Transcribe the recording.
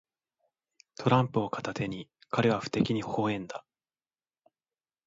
トランプを片手に、彼は不敵にほほ笑んだ。